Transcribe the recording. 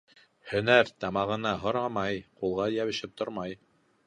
Һөнәр тамағына һорамай, ҡулға йәбешеп тормай.